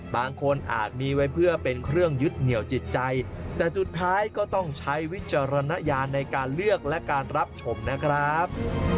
อาจมีไว้เพื่อเป็นเครื่องยึดเหนียวจิตใจแต่สุดท้ายก็ต้องใช้วิจารณญาณในการเลือกและการรับชมนะครับ